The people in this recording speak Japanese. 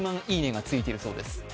いいねがついているそうです。